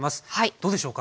どうでしょうか？